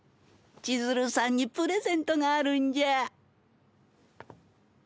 千鶴さんにプレゼントがあるんじゃ。